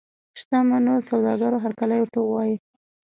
شته منو سوداګرو هرکلی ورته ووایه.